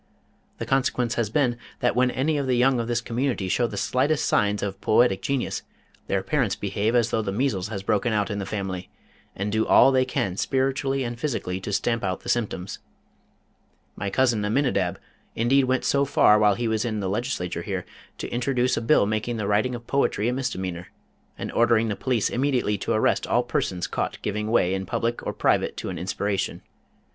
The consequence has been that when any of the young of this community show the slightest signs of poetic genius their parents behave as though the measles had broken out in the family, and do all they can spiritually and physically to stamp out the symptoms. My cousin Aminidab indeed went so far while he was in the Legislature here, to introduce a bill making the writing of poetry a misdemeanor, and ordering the police immediately to arrest all persons caught giving way in public or private to an inspiration.